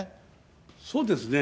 そうですね。